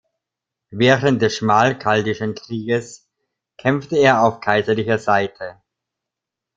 Während des Schmalkaldischen Krieges kämpfte er auf kaiserlicher Seite.